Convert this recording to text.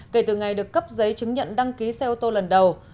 kể từ ngày được cấp giấy chứng nhận đăng ký xe ô tô lần đầu